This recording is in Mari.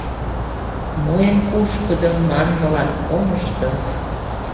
«Мо эн пушкыдо?» манмылан омышто